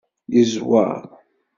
Yeẓweṛ.